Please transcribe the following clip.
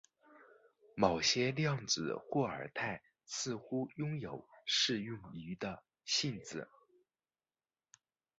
某些量子霍尔态似乎拥有适用于的性质。